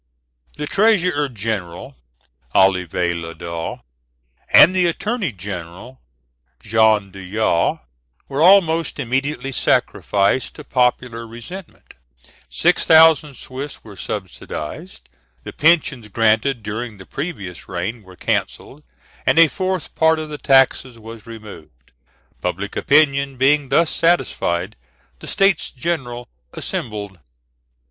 The treasurer general Olivier le Dain, and the attorney general Jean Doyat, were almost immediately sacrificed to popular resentment, six thousand Swiss were subsidised, the pensions granted during the previous reign were cancelled, and a fourth part of the taxes was removed. Public opinion being thus satisfied, the States General assembled.